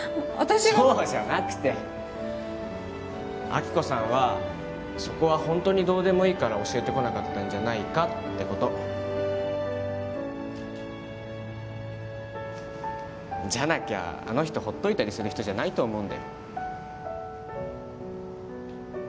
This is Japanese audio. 私がそうじゃなくて亜希子さんはそこはホントにどうでもいいから教えてこなかったんじゃないかってことじゃなきゃあの人ほっといたりする人じゃないと思うんだよ